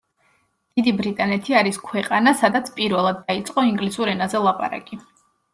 დიდი ბრიტანეთი არის ქვეყანა, სადაც პირველად დაიწყო ინგლისურ ენაზე ლაპარაკი.